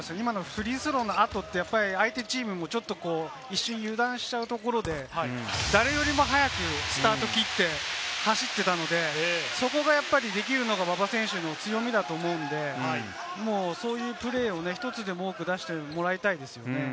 フリースローの後って相手チームも一瞬油断しちゃうところで、誰よりも早くスタートを切って走ってたので、そこがやっぱりできるのが馬場選手の強みだと思うので、そういうプレーを１つでも多く出してもらいたいですよね。